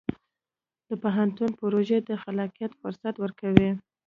د پوهنتون پروژه د خلاقیت فرصت ورکوي.